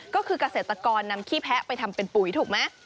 ก็คือเกษตรกรนำขี้แพะไปทำเป็นปุ๋ยถูกไหม